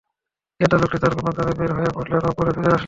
ক্রেতা লোকটি তার কোন কাজে বের হয়ে পড়লেন ও পরে ফিরে আসলেন।